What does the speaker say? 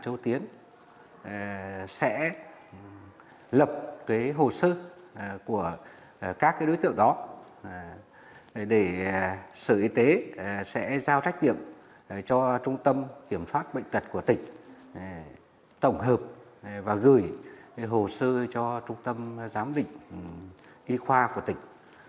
hội đồng sẽ lập hồ sơ của các đối tượng đó để sở y tế sẽ giao trách nhiệm cho trung tâm kiểm soát bệnh tật của tỉnh tổng hợp và gửi hồ sơ cho trung tâm giám định kỹ khoa của tỉnh